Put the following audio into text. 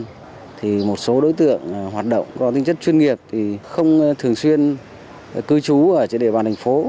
điều điều trị là nhận thêm một số đối tượng hoạt động do tinh chất chuyên nghiệp không thường xuyên cư trú ở trên địa bàn thành phố